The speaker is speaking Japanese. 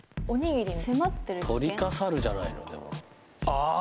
ああ！